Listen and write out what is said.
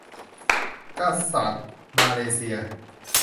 กษัตริย์มาเลเซีย